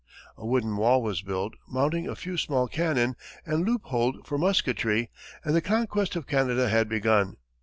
A wooden wall was built, mounting a few small cannon and loopholed for musketry, and the conquest of Canada had begun.